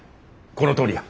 このとおりや。